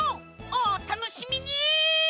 おたのしみに！